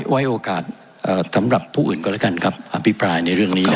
ไว้โอกาสสำหรับผู้อื่นก็แล้วกันครับอภิปรายในเรื่องนี้